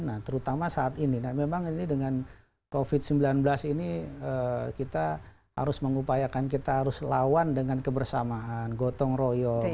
nah terutama saat ini nah memang ini dengan covid sembilan belas ini kita harus mengupayakan kita harus lawan dengan kebersamaan gotong royong